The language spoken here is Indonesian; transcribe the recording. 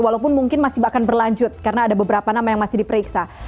walaupun mungkin masih akan berlanjut karena ada beberapa nama yang masih diperiksa